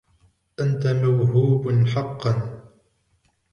أنت موهوبٌ حقاً.